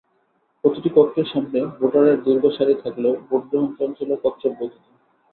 প্রতিটি কক্ষের সামনে ভোটারের দীর্ঘ সারি থাকলেও ভোট গ্রহণ চলছিল কচ্ছপগতিতে।